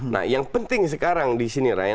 nah yang penting sekarang disini ryan